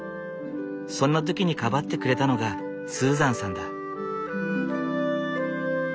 そんな時にかばってくれたのがスーザンさんだ。